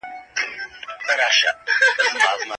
د دلارام ولسوالي د ترانزیټي وسایطو لپاره امن ځای دی.